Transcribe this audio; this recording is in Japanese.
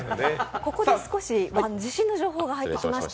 ここで地震の情報が入ってきました。